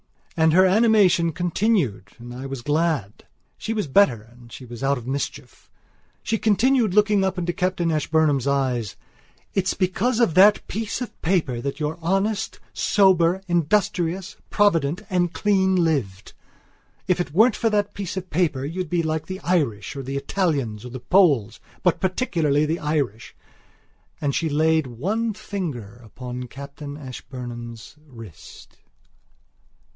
And her animation continued and I was glad. She was better and she was out of mischief. She continued, looking up into Captain Ashburnham's eyes: "It's because of that piece of paper that you're honest, sober, industrious, provident, and clean lived. If it weren't for that piece of paper you'd be like the Irish or the Italians or the Poles, but particularly the Irish...." And she laid one finger upon Captain Ashburnham's wrist.